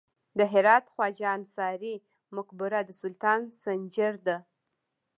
د هرات خواجه انصاري مقبره د سلطان سنجر ده